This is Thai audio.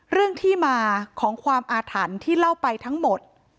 เรื่องที่มาของความอาถรรพ์ที่เล่าไปทั้งหมด